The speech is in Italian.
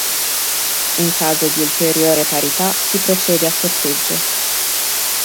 In caso di ulteriore parità si procede a sorteggio.